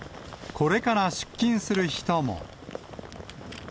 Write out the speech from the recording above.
これから出勤する人も。